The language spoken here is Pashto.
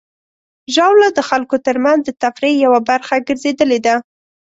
ژاوله د خلکو ترمنځ د تفریح یوه برخه ګرځېدلې ده.